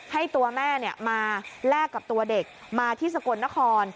ให้ตัวแม่มาแลกกับตัวเด็กมาที่สกลนคร